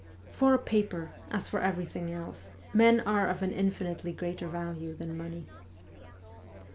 For a paper, as for everything else, men are of an infinitely greater value than money.